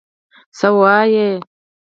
څه وايي.